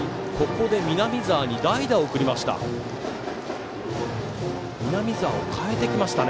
ここで南澤に代打を送りました。